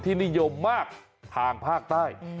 นิยมมากทางภาคใต้